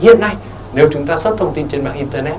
hiện nay nếu chúng ta xuất thông tin trên mạng internet